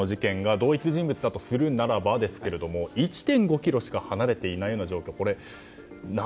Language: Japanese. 同一人物とするならばですが１．５ｋｍしか離れていないような状況。